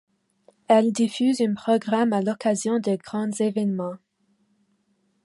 Elle diffuse un programme à l'occasion de grands événements.